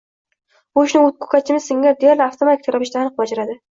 Bu ishni u ko‘katchimiz singari deyarli avtomatik ravishda va aniq bajardi